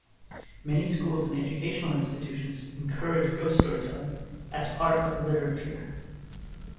Many schools and educational institutions encourage ghost storytelling as part of literature.